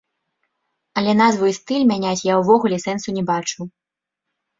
Але назву і стыль мяняць я ўвогуле сэнсу не бачу.